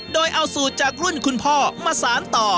โดยเอาสูตรจากรุ่นคุณพ่อมาสารต่อ